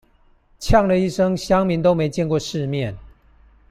嗆了一聲鄉民都沒見過世面